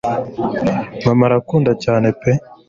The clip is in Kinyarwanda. mama rankunda cyane pe